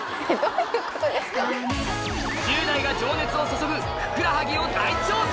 １０代が情熱を注ぐふくらはぎを大調査！